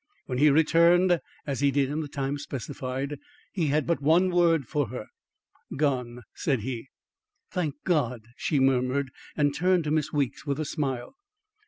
When he returned, as he did in the time specified, he had but one word for her. "Gone," said he. "Thank God!" she murmured and turned to Miss Weeks with a smile.